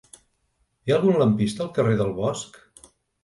Hi ha algun lampista al carrer del Bosc?